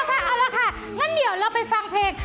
เอาละค่ะงั้นเดี๋ยวเราไปฟังเพลง